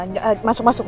masuk masuk masuk dulu